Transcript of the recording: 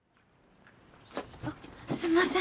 あっすんません。